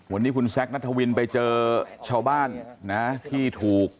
วันนี้คุณแซคนัทวินไปเจอชาวบ้านนะที่ถูก